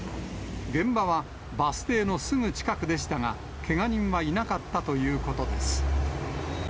現場はバス停のすぐ近くでしたが、けが人はいなかったということです。